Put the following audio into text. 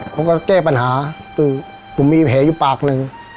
ผมก็แก้ปัญหาคือผมมีแผลอยู่ปากหนึ่ง